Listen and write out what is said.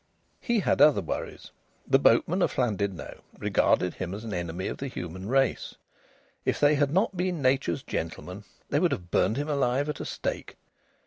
He had other worries. The boatmen of Llandudno regarded him as an enemy of the human race. If they had not been nature's gentlemen they would have burned him alive at a stake.